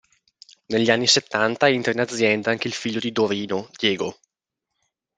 Negli anni settanta entra in azienda anche il figlio di Dorino, Diego.